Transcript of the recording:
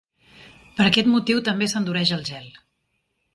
Per aquest motiu també s'endureix el gel.